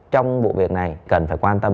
trong vụ việc này cần phải quan tâm